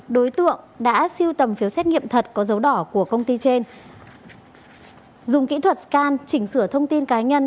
đối tượng đã siêu tầm phiếu xét nghiệm thật có dấu đỏ của công ty trên dùng kỹ thuật scan chỉnh sửa thông tin cá nhân